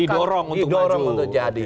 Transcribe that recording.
didorong untuk maju